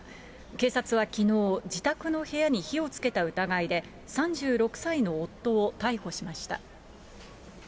警察はきのう、自宅の部屋に火をつけた疑いで、３６歳の夫を逮捕しました。